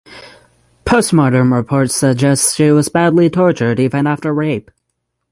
Postmortem report suggests she was badly tortured even after rape.